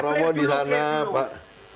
kalau mau di sana pak